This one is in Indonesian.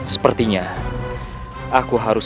sepertinya aku harus